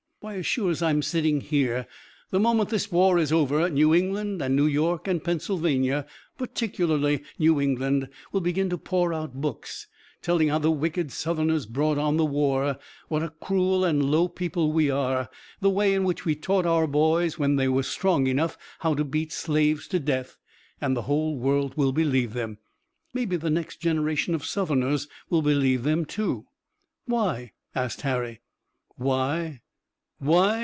Why, as sure as I'm sitting here, the moment this war is over New England and New York and Pennsylvania, particularly New England, will begin to pour out books, telling how the wicked Southerners brought on the war, what a cruel and low people we are, the way in which we taught our boys, when they were strong enough, how to beat slaves to death, and the whole world will believe them. Maybe the next generation of Southerners will believe them too." "Why?" asked Harry. "Why? Why?